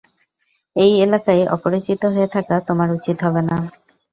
এই এলাকায় অপরিচিত হয়ে থাকা তোমার উচিৎ হবে না।